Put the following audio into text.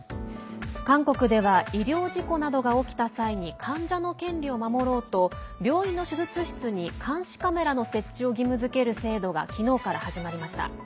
韓国では医療事故などが起きた際に患者の権利を守ろうと病院の手術室に監視カメラの設置を義務付ける制度が昨日から始まりました。